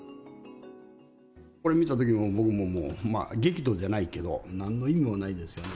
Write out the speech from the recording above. これ見たとき、僕もう、激怒じゃないけど、なんの意味もないですよね。